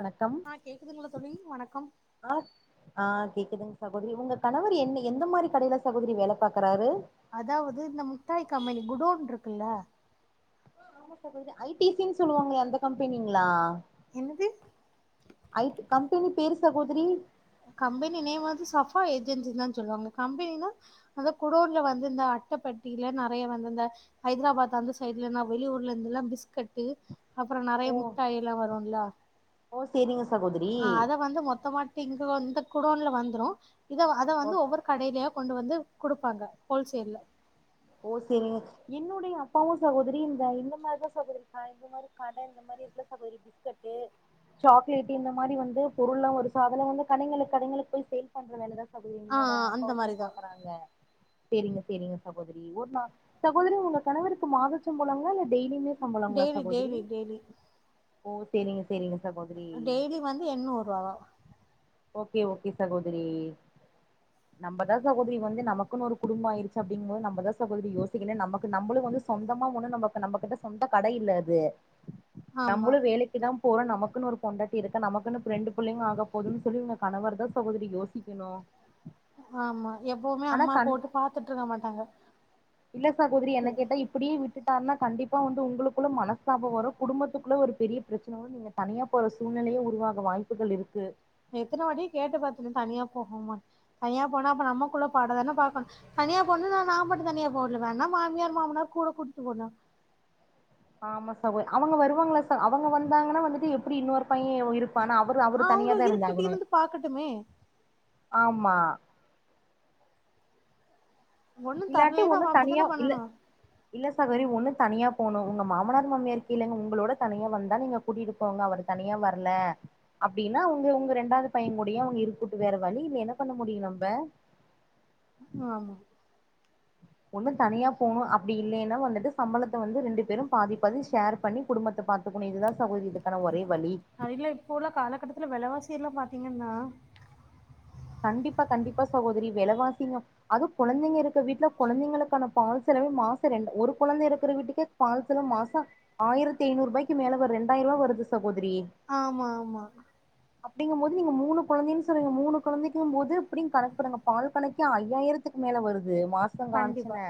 வணக்கம் ஆ கேக்குதுங்களா தோழி வணக்கம் ஆ ஆ கேக்குதுங்க சகோதிரி உங்க கணவர் என்ன எந்த மாதிரி கடையில சகோதிரி வேலை பாக்குறாரு அதாவது இந்த முட்டாய் கம்பெனி குடோன் இருக்குல்ல ஆமா சகோதிரி ஐ டி சினு சொல்லுவாங்களே அந்த கம்பெனிங்களா என்னது ஐ கம்பெனி பெயரு சகோதிரி கம்பெனி நேம் வந்து சபா ஏஜென்சின் தா சொல்லுவாங்க கம்பெனினா அந்த குடோன்ல வந்து இந்த அட்டப்பட்டியில நெறைய வந்து இந்த ஹைதராபாத் அந்த சைடுல வெளியூர்ல இருந்து எல்லா பிஸ்கட்டு அப்றோ நெறைய ஓ முட்டாய் எல்லா வரும் லா ஓ செரிங்க சகோதிரி மொத்தமாட்டு இங்க வந்து குடோன்ல வந்துறோம் இத அத ஓ வந்து ஒவ்வொரு கடையிலயா கொண்டு வந்து குடுப்பாங்க ஹோல்சேல்ல ஓ சேரிங்க என்னுடைய அப்பாவும் சகோதரி இந்த இந்த மாரிதா சகோதரி மாதிரி கடை இந்த மாதிரி இருக்குல சகோதரி பிஸ்கட்டு சாக்லேட் இந்த மாதிரி வந்து பொருள் எல்லா வரு அதெலா வந்து கடைளுக்கு கடைளுக்கு போய் சேல் பண்ற வேலைதா ஆ என்னோட அந்த அப்பாவுமே மாரிதா பாக்குறாங்க சேரிங்க சேரிங்க சகோ தரி ஒர் நா சகோதரி உங்க கணவருக்கு மாதச்சம்பொலங்களா இல்ல டெய்லியுமே சம்பளங்களா டெய்லி சகோதரி டெய்லி டெய்லி ஓ சேரிங்க சேரிங்க சகோதரி டெய்லி வந்து எண்ணூறு ரூபாதா ஓகே ஓகே சகோதரி நம்மதா சகோதரி வந்து நமக்குன்னு ஒரு குடும்போ ஆயிருச்சு அப்டிங்கு போது நம்மதா சகோதரி யோசிக்கனு நமக்கு நம்மளு வந்து சொந்தமா ஒண்ணு நமக்கு நம்ம கிட்ட சொந்த கட இல்ல அது ஆமா நம்மளு வேலைக்கு தா போற நமக்குன்னு ஒரு பொண்டாட்டி இருக்கு நமக்குன்னு ரெண்டு பிள்ளங்க ஆக போது சொல்லுங்க கணவர் தா சகோதரி யோசிக்கணு ஆமா எப்பவுமே ஆனா அம்மா கண போட்டு பாத்துட்டு இருக்க மாட்டாங்க இல்ல சகோதரி என்ன கேட்டா இப்படியு விட்டுட் டார்னா கண்டிப்பா வந்து உங்களுக்கு கூட மனஸ்தாபோ வரு குடும்பத்துக் குள்ள ஒரு பெரிய பிரச்சன வரு நீங்க தனியா போற சூழ்நிலயே உருவாக வாய்ப்புகள் இருக்கு எத்தன வாட்டி கேட்டு பாத்துட்டே தனியா போவோமா தனியா போனா அப்ப நம்மக்குள்ள பாட தான பாக்கணு தனியா போண்ணு நா நாம மட்டு தனியா போடல வேனா வேணுனா மாமியார் மாமனார் கூட கூட்டு போனோ ஆமா சகோ அவுங்க வருவாங்களா சகோ அவங்க வந்தாங்கன்னா வந்துட்டு எப்டி இன்னொரு பைய பண அவரு அவுரு அவங்க தனியா தா இருக்கட்டு இருந்தாகணு இருந்து பாக்கட்டுமே ஆமா ஒண்ணு இல்லாட்டி தரலைன்னா ஒண்ணு அவ தனியா அப்டித்தான இல்ல பண்ணனு இல்ல சகோதரி ஒண்ணு தனியா போணு உங்க மாமனார் மாமியார கேளுங்க உங்களோட தனியா வந்தா நீங்க கூட்டிட்டு போங்க அவரு தனியா வரல அப்டின்னா அவங்க உங்க ரெண்டாது பைய கூடயே அவங்க இருக்கட்டு வேற வழி இல்ல என்ன பண்ண முடியு நம்ப ஆமா ஒண்ணு தனியா போணு அப்டி இல்லைன்னா வந்துட்டு சம்பளத்த வந்து ரெண்டு பேரு பாதி பாதி ஷேர் பண்ணி குடும்பத்த பாத்துக்கணு இதுதா சகோதரி இதுக்கான ஒரே வழி அது இல்ல இப்போ உள்ள காலகட்டத்துல வெலவாசி கீழ பாத்தீங்கன்னா கண்டிப்பா கண்டிப்பா சகோதரி விலைவாசிங்க அது கொழந்தைங்க இருக்கற வீட்டுல கொழந்தைங்களுக்கான பால் செலவே மாசோ ரெண்டு ஒரு கொழந்த இருக்கிற வீட்டுக்கே பால் செலவு ஆயிரத்து ஐந்நூறு ரூபாய்க்கு மேல ஒரு ரெண்டாயிர ரூபா வருது சகோ ஆமா ஆமா அப்டிங்கும் போது நீங்க மூணு கொழந்தன்னு சொல்றிங்க மூணு கொழந்தைக்கும் போது அப்டினு கணக்கு பண்ணுங்க பால் கணக்கே ஐயாயிரத்துக்கு மேல வருது இது மாச கண்டிப்பா காணிச்சுனே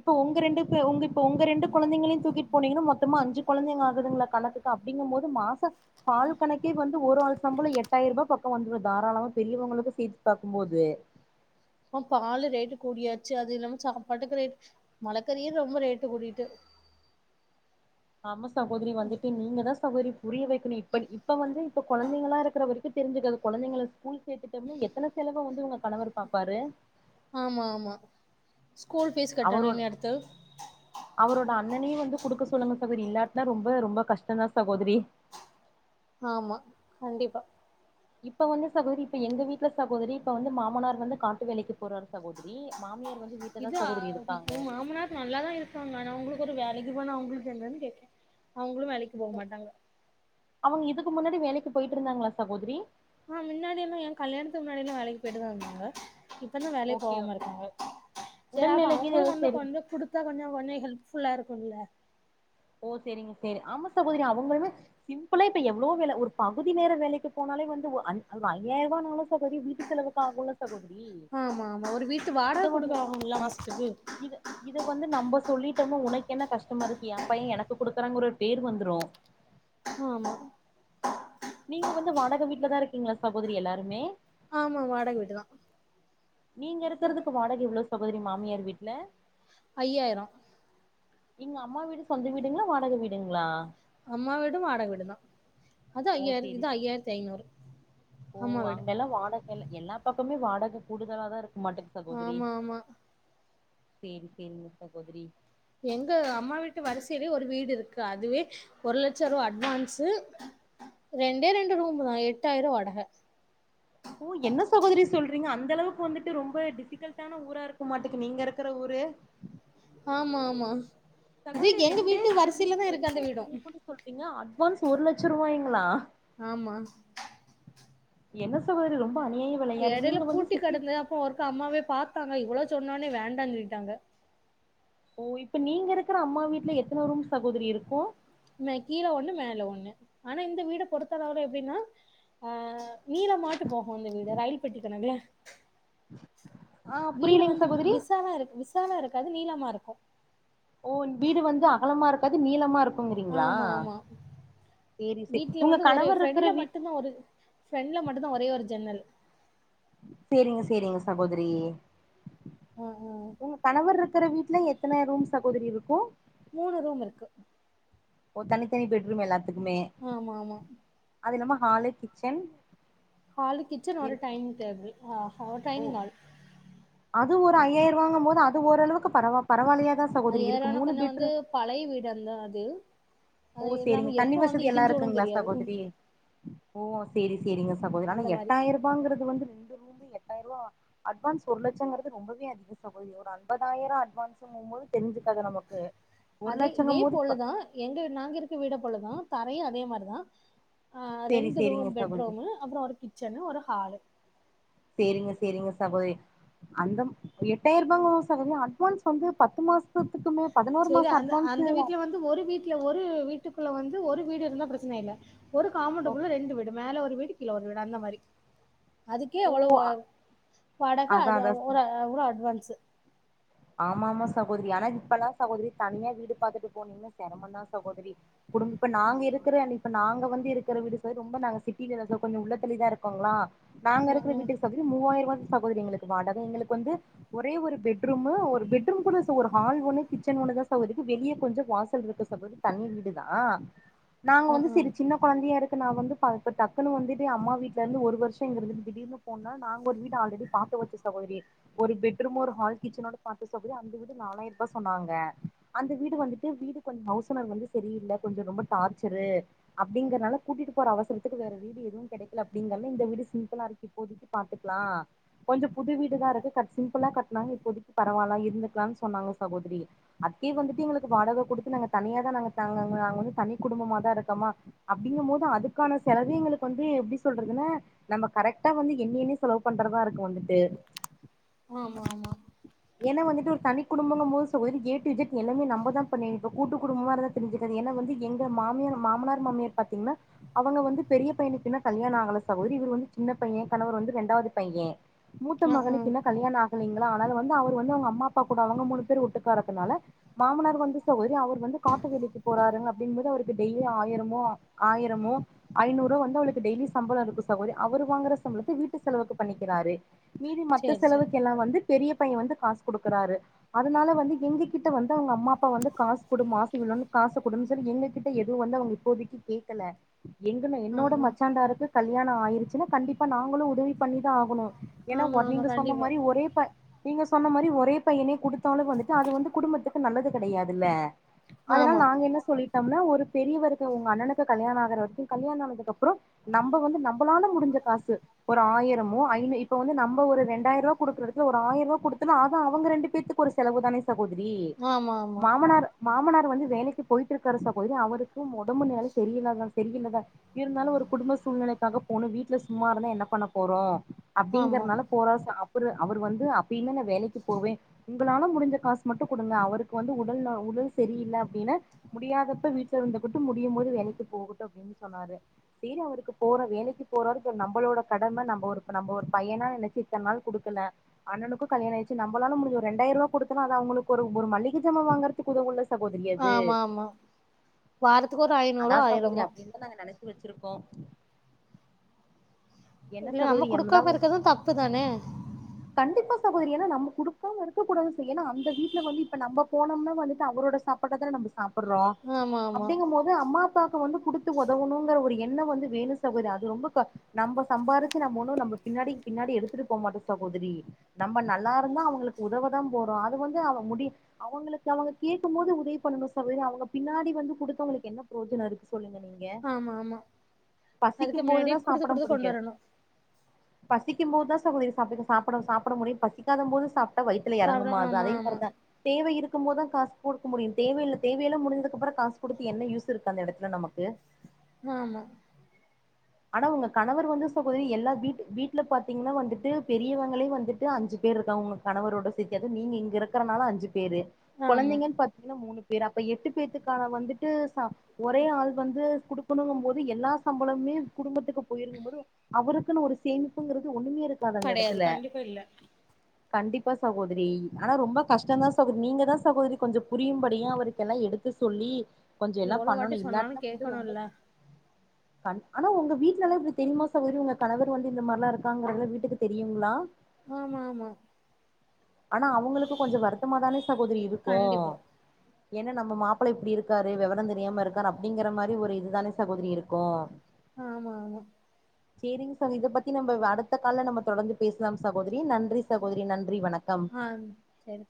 இப்ப உங்க ரெண்டு பே உங்க இப்போ உங்க ரெண்டு கொழந்தங்களையும் தூக்கிட்டு போனீங்கன்னா மொத்தமா அஞ்சு கொழந்தைங்க ஆகுதுங்களா கணத்துக்கு அப்டிங்கும் போது மாச பால் பண்ணக்கே வந்து ஒரு ஆள் சம்பளோ எட்டாயிர் ரூபா பா இப்போ வந்துரு தாராளமா பெரியவங்களுக்கு சேத்து பாக்கும்போது ஆ பால் ரேட்டு கூடியாச்சு அது இல்லாம சாப்பட்டுக்கு ரேட் மலைக்கறியு ரொம்ப ரேட்டு கூடிட்டு ஆமாஸ் சகோதரி வந்துட்டு நீங்க தா சொ சகோதரி புரிய வக்கணு இப்படி இப்ப வந்து இப்ப கொழந்தைங்களா இருக்கிற வரைக் தெரிஞ்சக்கது கொழந்தைங்கள ஸ்கூல் சேர்த்துட்டோம்னே எத்தன செலவ வந்து உங்க கணவர் பாப்பாரு ஆமா ஆமா ஸ்கூல் ஃபீஸ் கட்டணு அவரோட இனி அடுத்து அவரோட அண்ணனையு வந்து குடுக்க சொல்லுங்க சகோதரி இல்லாட்டா ரொம்ப ரொம்ப கஷ்டோதா சகோதரி ஆமா கண்டிப்பா இப்ப வந்து சகோதரி இப்ப எங்க வீட்டுல சகோதரி இப்ப வந்து மாமனார் வந்து காட்டு வேலைக்கு போறாரு சகோதரி மாமியார் வந்து வீட்லதா இதா சகோதரி இருக்காங்க மாமனார் நல்லாாதா இருக்காங்க ஆனா அவங்களுக்கு ஒரு வேலைக்கு போனா அவங்களுக் என்னனு கேக்கே அவங்களு வேலைக்கு போமாட்டாங்க அவங்க இதுக்கு முன்னாடி வேலைக்கு போயிட்டு இருந்தாங்களா சகோதரி ஆ முன்னாடிெல்லா ஏன் கல்யாணத்துக்கு முன்னாடிெல்லா வேலைக்கு போயிட்டுதா இருந்தாங்க இப்ப தா வேலைக்கு ஓகே போகாம இருக்காங்க செரி அப்ப உடல்நிலைக்கு அவங்களு ஏதோ வந்து சரி கொஞ்சொ குடுத்தா கொஞ்சொ கொஞ்சொ ஹெல்ப்ஃபுல்லா இருக்கும்ல்ல ஓ செரிங்க செரி ஆமா சகோதரி அவங்களுமே சிம்பிளா இப்ப எவ்வளோ வேல ஒரு பகுதி நேர வேலைக்கு போனாலே வந்து ஒரு அஞ் ஐயாயி ரூவானாலு சகோரி வீட்டு செலவுக் ஆகுல்ல சகோதரி ஆமாமா ஒரு வீட்டு வாடக இத வந்து குடுக்குறாங்கல்லா மாசத்துக்கு சொல்லிட்டோனா உனக்கு என்ன கஷ்டமா இருக்கியா ஃபைய் எனக்கு கொடுக்குறாங்க ஒரு பேர் வந்துரு ஆமா நீங்க வந்து வாடக வீட்டு்ல தா இருக்கீங்களா சகோதரி எல்லாருமே ஆமா வாடக வீடு தா நீங்க இருக்கறதுக்கு வாடக எவ்வளவு சகோதரி மாமியார் வீட்ல அய்யாயிரோ உங்க அம்மா வீடு சொந்த வீடுங்களா வாடக வீடுங்களா அம்மா வீடு வாடக வீடு தா அது ஓ ஐயாயிர இது சேரி ஜயாயிரத்தி ஐநூறு ஓ அம்மா வீடு அங்க எல்லா வாடகல எல்லா பக்கமே வாட உனக்கு கூடுதலா தா இருக்கு மாட்டுக்கு சகோதரி ஆமா ஆமா செரி செரி சகோதரி எங்க அம்மா வீட்டு வரிசையிலே ஒரு வீடு இருக்கு அதுவே ஒரு லட்ச ரூவா அட்வான்ஸ் ரெண்டே ரெண்டு ரூம் தா எட்டாயிரோ வாடக ஓ என்ன சகோதரி சொல்றீங்க அந்த அளவுக் வந்துட்டு ரொம்ப டிபிகல்டான ஊரா இருக்கு மாட்டேங்குது நீங்க இருக்கற ஊரு ஆமா ஆமா இது சகோதரி எங்க ரெண்டே வீட்டு ரெண்டு வரிசையில வீடு தா இருக்கு ரெண்டே அந்த ரெண்டு வீடு ரூமுனு சொல்றீங்க அட்வான்ஸ் ஒரு லட்ச ரூவாய்ங்களா ஆமா என்ன சகோதரி ரொம்ப அநியாய விலையா இருக்கு எடையில நீங்க வந்து பூட்டி சிட்டி கெடந்தது அப்போ ஒருக்கா அம்மாவே பாத்து பாத்தாங்க இவ்ளோ சொன்னே ஒன்னே வேண்டானு சொல்லிட்டாங்க ஓ இப்ப நீங்க இருக்கிற அம்மா வீட்ல எத்தன ரூம் சகோதரி இருக்கு கீழ ஒண்ணு மேல ஒண்ணு ஆனா இந்த வீட பொறுத்தளவுல எப்டின்னா ஆ நீள மாட்டு போகும் இந்த வீடு ரயில் பெட்டிக்கணக்குல ஆ வீடு புரியலைங்க வந்து சகோதரி விசாலா இருக்கு விச் சாலம இருக்காது நீளமா இருக்கு ஓ வீடு வந்து அகலமா இருக்காது நீளமா இருக் ஆமா ஆமா சேரி சேரி வீட்ல உங்க வந்து ஒரே கணவர் இருக்கிற ஃப்ரெண்ட்ல வீட் மட்டும் தா ஒரு ஃப்ரெண்ட்ல மட்டும் தா ஒரே ஒரு ஜன்னல் சேரிங்க சேரிங்க சகோதரி ஆ ஆ இருக்குற வீட்ல எத்தன ரூம் சகோதரி இருக்கு மூணு ரூம் இருக்கு ஒ தனி தனி பெட்ரூம் எல்லா ருக்குமே ஆமா ஆமா அது என்னமா ஹாலு கிச்சன் ஹாலு கிச்சன் ஒரு இருக்கு டைனிங் டேபிள் ஆ ஒ ஓ டைனிங் ஹால் அது ஒரு ஐயாயிரம் ரூவாங்கும் போது அது ஓரளவுக்கு பரவ பரவால்லையா ஐய்யாயிறம் கொஞ்சே வந்து பழைய வீடு அந்த அது ஓ அது செரிங்க இல்லாம தண்ணி எப்போ வந்து வசதி எல்லா இடிஞ்சு விழுன்னு இருக்குங்களா தெரியாது ம், சகோதரி ஓ செரி செரிங்க சகோதரி ஆனா அந்த மாரி எட்டாயிர ரூபாங்கிறது வந்து ரெண்டு ரூமு எட்டாயிர ரூபா அட்வான்ஸ் ஒரு லட்சங்கிறது ரொம்பவே அதிக சகோதரி ஒரு அம்பதாயிரோ அட்வான்ஸ்கும்போது தெரிஞ்சக்கத நமக்கு ஒரு அதே இதே லட்சங்கும் போது இப்ப போல தா எங்க நாங்க இருக் வீட போல தா தரையும் அதே மாரி தா ஆ சேரி ரெண்டு சேரிங்க ரூம் பெட் சகோதரி ரூமு அப்றோ ஒரு கிச்சன்னு ஒரு ஹா ஹாலு சேரிங்க சேரிங்க சகோதரி அந்த எட்டாயிர ரூபா அட்வான்ஸ் வந்து பத்து மாசத்துக்குமே பதினோரு சேரி மாசோ அந்த அட்வான்ஸு அந்த வீட்ல வந்து ஒரு வீட்ல ஒரு வீட்டுக்குள்ள வந் து ஒரு வீடு இருந்தா பிரச்சன இல்ல ஒரு காம்பன்டுக்குள்ள ரெண்டு வீடு மேல ஒரு வீடு கீழ ஒரு வீடு அந்த மாரி அதுக்கே ஓ அவ்ளவு வாடக அதா அது அதா அவ்ள அவ்ள அட்வான்ஸு ஆமா ஆமா சகோதரி ஆனா இப்பல்லா சகோதரி தனியா வீடு பாத்துட்டு போனீங்னா செரமொந்தா சகோதரி குடும் இப்ப நாங்க இருக்கிற [unintelligible] இப்ப நாங்க வந்து இருக்கிற வீடு சொ ரொம்ப நாங்க சிட்டில இல்ல ச கொஞ்ச உள்ளத் தள்ளிதா இருக்கோங்களா நாங்க ம் இருக்குற ம் வீட்டுக்கு சகோதரி மூவாயருவா சகோதரி எங்களுக்கு வாடக எங்களுக்கு வந்து ஒரே ஒரு பெட் ரூமு ஒரு பெட்ரூம் கூட இல்ல சகொ ஒரு ஹால் ஒன்னு கிச்சன் ஒன்னு தா சகோதரி வெளிய கொஞ்ச வாசல் இருக்கு சகோதரி தனி வீடுதா நாங்க ம் வந்து ம் செரி சின்ன கொழந்தையா இரு க்கு நா வந்து இப்ப டக்குனு வந்துட்டு அம்மா வீட்லந்து ஒரு வருஷ இங்க இருந்துட்டு திடீர்னு போன்னா நாங்க ஒரு வீடு ஆல்ரெடி பாத்து வச்ச சகோதரி ஒரு பெட்ரூமு ஒரு ஹால் கிச்சனோட பாத்தோ சகோதரி அந்த வீடு நாலாயருபா சொன்னாங்க அந்த வீடு வந்துட்டு வீடு கொஞ்ச ஹவுஸ் ஓனர் வந்து சரியில்ல கொஞ்சொ ரொம்ப டார்ச்சரு அப்டிங்கறனால கூட்டிட்டு போற அவசரத்துக்கு வேற வீடு எதுவு கெடைக்கல அப்டின்னால இந்த வீடு சிம்பிளா இருக்கு இப்போதைக்கு பாத்துக்லா கொஞ்சொ புது வீடுதா இருக்கு கட் சிம்பிளா கட்னா இ ப்போதக்கி பரவால்ல இருந்துக்லான் சொன்னாங்க சகோதரி அதுக்கே வந்துட்டு எங்களுக்கு வாடக குடுத்து நாங்க தனியாதா நாங்க தாங்க நாங்க வந்து தனி குடும்பமாதா இருக்கமா அப்டிங்கும் போது அதுக்கான செலவு எங்களுக்கு வந்து எப்டி சொல்றதுனா நம்ம கரெக்ட்டா வந்து எண்ணி எண்ணி செலவு பண்றதா இருக்கு வந்துட்டு ஆமா ஆமா ஏன்னா வந்துட்டு ஒரு தனி குடும்பங்கம்மோது சகோதரி ஏ டூ இஜேட் எல்லாமே நம்மதா பண்ணி இப்ப கூட்டு குடும்பமா இருந்தா தெரிஞ்சுக்காது என்ன வந்து எங்க மாமியார் மாமனார் மாமியார் பாத்தீங்னா அவங்க வந்து பெரிய பையனுக்கு இன்னு கல்யாண ஆகல சகோதரி இவர் வந்து சின்ன பைய கணவர் வந்து ரெண்டாவது பைய மூத்த ம் மகனுக்கு ம் இன்னு கல்யாண ஆ கல அதனால வந்து அவர் வந்து அவுங்க அம்மா அப்பா கூட அவுங்க மூணு பேர் ஒட்டுக்காருக்கனால மாமனார் வந்து சகோதரி அவர் வந்து காட்டு வேலைக்கு போறாருங்க அப்டின்மோது அவருக்கு டெய்லி ஆயிரமோ ஆயரமோ ஐநூறோ வந்து அவளுக்கு டெய்லி சம்பள இருக்கு சகோதரி அவரு வாங்குற சம்பளத்த வீட்டு செலவுக்கு பண்ணிக்கிறாரு மீதி மத்த சேரி சேரி செலவுக்கு எல்லா வந்து பெரிய பைய வந்து காசு குடுக்குறாரு அதுனால வந்து எங்ககிட்ட வந்து அவுங்க அம்மா அப்பா வந்து காசு குடு மாச இவ்ளன் காசு குடுன் சொல்லி எங்க கிட்ட எதுவு வந்து அவுங்க இப்போதைக்கு கேக்கல எங்கன ம் என்னோட ம் மச்சான்டாருக்கு கல்யாண ஆயிருச்சுனா கண்டிப்பா நாங்களு உதவி பண்ணிதா ஆகனு ஏனா ஆமா வ ஆமா நீங்க சொன்ன கண்டிப்பா மாரி ஒரே ப நீங்க சொன்ன மாரி ஒரே பையனே குடுத்தாலு வந்துட்டு அது வந்து குடும்பத்துக்கு நல்லது கெடையாதுல்ல அதுனால ஆமா நாங்க என்ன சொல்லி ட்டம்னா ஒரு பெரியவருக்கு உங்க அண்ணனுக்கு கல்யாண ஆகுற வரைக்கு கல்யாண ஆனதுக்கப்றொ நம்ப வந்து நம்பளால முடிஞ்ச காசு ஒரு ஆயிரமோ ஐநூ இப்ப வந்து நம்ப ஒரு ரெண்டாயிருவா குடுக்றதுக்கு ஒ ரு ஆயருவா குடுத்தனா அது அவுங்க ரெண்டு பேத்துக்கு ஒரு செலவு தானே சகோதரி ஆமா ஆமா மாமனார் மாமனார் வந்து வேலைக்கு போயிட்ருக்காரு சகோதரி அவருக்கு உடம்பு நெல சரியில்லதா சரியில்லதா இருந்தாலு ஒரு குடும்ப சூழ்நிலைக்காக போனு வீட்ல சும்மா இருந்து என்ன பண்ண போறோ ஆமா அப்டிங்கறனால போற ச அப் புற அவர் வந் அப்பிடில்ங்க நான் வேலைக்கு போவேன் உங்களால முடிஞ்ச காசு மட்டும் குடுங்க அவருக்கு வந்து உடல் உடல் சரியில்ல அப்டின்னா முடியாதப்ப வீட்டுல இருந்துக்கிட்டு முடியும் போது வேலைக்கு போகட்டும் அப்டின்னு சொன்னாரு செரி அவருக்கு போற வேலைக்கு போறாரு நம்மளோட கடமை நம்ம ஒரு நம்ம ஒரு பையனா நினைச்சு இத்தனை நாள் குடுக்கல அண்ணனுக்கும் கல்யண ஆயிச்சு நம்மளால முடிஞ்ச ஒரு ரெண்டாயிரம் ரூப குடுத்தாலும் அது அவங்களுக்கு ஒரு மலிகை சாமான் வாங்குறதுக்கு உதவும் ல ஆமா ஆமா வாரத்துக்கு ஒரு ஐந்நூறோ ஆயிரமோ வச்சிருப்போம் நம்ம குடுக்காம இருக்கதும் தப்புதானே என்ன சகோதரி ஏன்ன நம்ம குடுக்காம இருக்க கூடாது ஏன்ன அந்த வீட்ல வந்து இப்ப நம்ம போனோம்னா வந்துட்டு அவரோட சாப்பாட்ட தா நம்ம சாப்பிடுறோம் ஆமா ஆமா அப்டிங்கும் போது அம்மா அப்பாக்கு வந்து குடுத்து உதவணுங்கிற ஒரு எண்ணம் வந்து வேணும் சகோதரி அது ரொம்ப நம்ம சம்பாரிச்சு நம்ம ஒண்ணும் நம்ம பின்னாடி பின்னாடி எடுத்துட்டு போக மாட்டோம் சகோதரி நம்ம நல்லா இருந்தா அவங்களுக்கு உதவ தா போறோம் அது வந்து அவ முடி அவங்களுக்கு அவங்க கேட்கும் போது உதவி பண்ணணும் சகோதரி அவங்க பின்னாடி வந்து குடுத்தவங்களுக்கு என்ன பிரயோஜனம் இருக்கு சொல்லுங்க நீங்க ஆமா ஆமா அதுக்கு பசிக்கும்போது முன்னாடி தா குடுத்து சாப்பிட குடுத்து கொண்டு பிடிக்கும் வரணு பசிக்கும்போது தா [unintelligible] சாப் சாப்பிட முடியும் பசிக்காதும் போது சாப் வயத்துல சாப்ட இறங்கமா ஆமா அதே மாரி ஆமா தா தேவை இருக்கு குடுக்கும் போதான் காசு குடுக்க முடியும் தேவையில்லை தேவையல்ல முடிஞ்சதுக்கு அப்றோ காசு குடுத்து என்ன யூஸ் இருக்கு அந்த இடத்துல நமக்கு ஆமா ஆனா உங்க கணவர் வந்து சகோதரி எல்லா வீட் வீட்ல பாத்தீங்கன்னா வந்துட்டு பெரியவங்களே வந்துட்டு அஞ்சு பேர் இருக்காங்க உங்க கணவரோட சேத்தி அதாது நீங்க இங்க இருக்கிறனால அஞ்சு பேர் பேரு ஆமா கொழந்தைங்கன்னு பாத்தீங்கன்னா மூணு பே வேற அப்ப எட்டு பேத்தக்கான வந்துட்டு ஒரே ஆள் வந்து குடுக்கணும் போது எல்லா சம்பளமுமே குடும்பத்துக்கு போயிருக்கும் போது அவருக்குனு ஒரு சேமிப்புங்கிறது ஒன்னுமே கடையாது கண்டிப்பா இல்ல கண்டிப்பா சகோதரி ஆனா ரொம்ப கஷ்டம் தா சகோதரி நீங்க தான் சகோதரி கொஞ்சம் புரியும்படியும் அவருக்கெல்லாம் எடுத்து சொல்லி கொஞ்சம் எல்லா எவ்வளோ வாட்டி பண்ணணும் இல்லாட்ட சொன்னாலு வந்து ரொம்ப கேட்கணுல்ல அன் ஆனா உங்க வீட்ல எல்லா இப்டி தெரிமா சகோதரி உங்க கணவர் வந்து இந்த மாரி எல்லா இருக்கிறாங்க உங்க வீட்டுக்கு தெரியுங்களா ஆமா ஆமா ஆனா அவுங்களுக்கு கொஞ்சோ வருத்தம தானே சகோதரி இருக்கும் கண்டிப்பா ஏன்னா நம்ம மாப்பிளை இப்டி இருக்காரு விவரம் தெரியாம இருக்காரு அப்டிங்கிற மாரி ஒரு இதுதானே சகோதரி இருக்கு ஆமா ஆமா செரிங்க சகோ இதை பத்தி நம்ம அடுத்த கால நம்ம தொடர்ந்து பேசலாம் ச சகோதரி நன்றி சகோதரி நன்றி வணக்கம் ஆ சரி